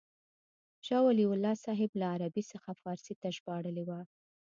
شاه ولي الله صاحب له عربي څخه فارسي ته ژباړلې وه.